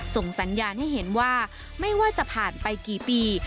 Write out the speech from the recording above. ส่งสัญญาณให้เห็นว่าไม่ว่าจะผ่านไปกี่ปี